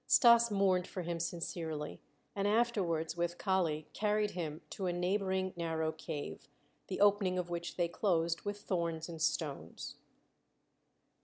Stas mourned for him sincerely, and afterwards with Kali carried him to a neighboring narrow cave, the opening of which they closed with thorns and stones.